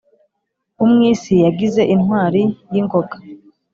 umwisi yagize intwari y’ingoga